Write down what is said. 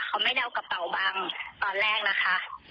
เขาไม่ได้เอากระเป๋าบังตอนแรกนะคะ